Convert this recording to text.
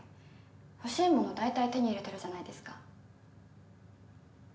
欲しいものだいたい手に入れてるじゃないですか。